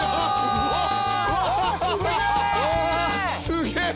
すげえ。